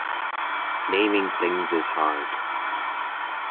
Naming things is hard.